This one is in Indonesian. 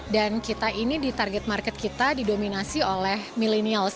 dan kita ini di target market kita didominasi oleh millennials